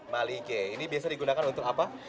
malike ini biasa digunakan untuk apa